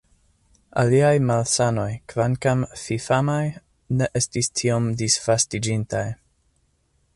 Aliaj malsanoj, kvankam fifamaj, ne estis tiom disvastiĝintaj.